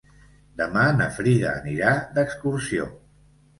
Demà na Frida anirà d'excursió.